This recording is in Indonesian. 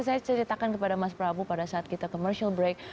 jadi ceritakan kepada mas prabowo pada saat kita commercial break